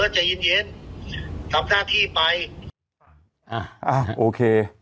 ใจเย็นเย็นทำหน้าที่ไปอ่าอ่าโอเค